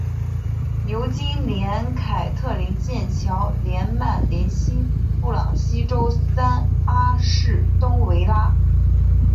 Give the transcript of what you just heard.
牛津联凯特灵剑桥联曼联西布朗锡周三阿士东维拉